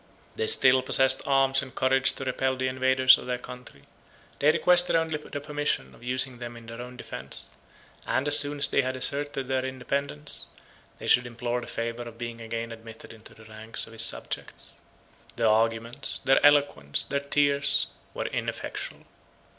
They still possessed arms and courage to repel the invaders of their country: they requested only the permission of using them in their own defence; and, as soon as they had asserted their independence, they should implore the favor of being again admitted into the ranks of his subjects. Their arguments, their eloquence, their tears, were ineffectual.